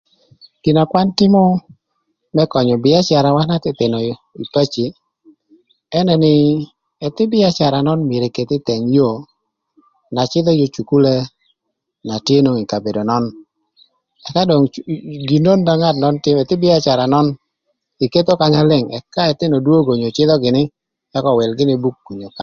Gin na kwan tïmö më könyö bïacarawa tïmö ï kin peci ënë nï ëthï bïacara nön eketho ï theng yoo na cïdhö yo cukule tye nwongo ï kabedo nön ëthï bïacara nön iketho kanya leng ëk ëka ka ëthïnö dwogo öwïl gïnï buk onyo kalam.